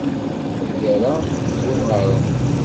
Taggara mmzuɣaṛen.